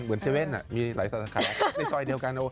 เหมือนเซเว่นมีหลายสาธารณะในซอยเดียวกัน